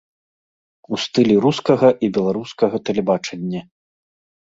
У стылі рускага і беларускага тэлебачання.